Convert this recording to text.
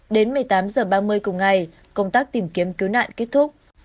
đến một mươi tám h ba mươi cùng ngày công tác tìm kiếm cứu nạn kết thúc